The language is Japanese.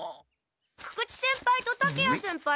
久々知先輩と竹谷先輩でしたら。